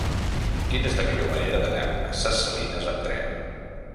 Quina és la millor manera d'anar a Ses Salines amb tren?